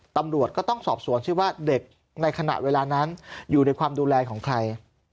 ตำรวจก็ต้องสอบสวนสิว่าเด็กในขณะเวลานั้นอยู่ในความดูแลของใคร